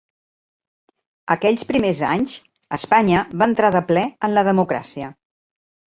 Aquells primers anys, Espanya va entrar de ple en la democràcia.